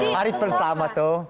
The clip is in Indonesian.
hari pertama tuh